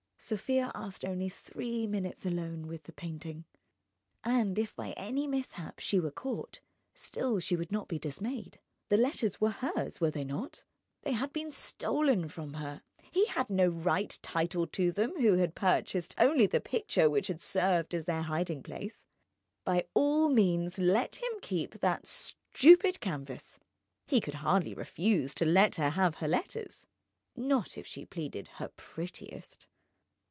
Sofia asked only three minutes alone with the painting.... And if by any mishap she were caught, still she would not be dismayed. The letters were hers, were they not? They had been stolen from her, he had no right title to them who had purchased only the picture which had served as their hiding place. By all means, let him keep that stupid canvas; he could hardly refuse to let her have her letters, not if she pleaded her prettiest.